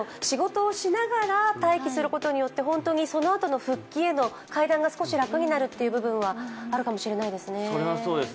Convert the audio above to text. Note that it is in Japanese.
仕事をしながら待機することによって、そのあとの復帰が少し楽になるという部分はあるかもしれないですね。